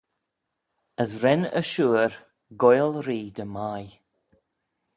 As ren e shuyr goaill ree dy mie.